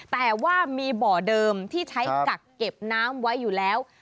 แต่ว่ามีบ่อเดิมที่ใช้กักเก็บน้ำไว้อยู่แล้ว